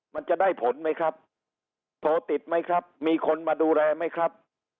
มันจะได้ผลไหมครับโทรติดไหมครับมีคนมาดูแลไหมครับ